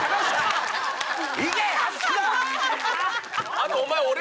あとお前。